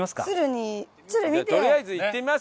とりあえず行ってみます？